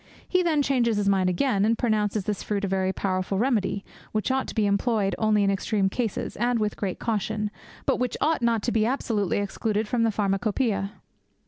He then changes his mind again, and pronounces this fruit a very powerful remedy, which ought to be employed only in extreme cases, and with great caution, but which ought not to be absolutely excluded from the Pharmacopoeia.